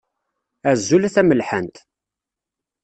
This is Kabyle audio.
Azul a tamelḥant.